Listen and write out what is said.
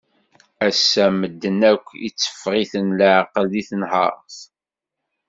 Ass-a medden akk itteffeɣ-iten leεqel di tenhert.